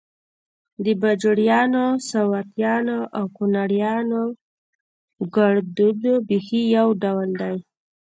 د باجوړیانو، سواتیانو او کونړیانو ګړدود بیخي يو ډول دی